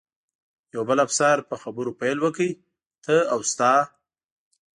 یو بل افسر په خبرو پیل وکړ، ته او ستا.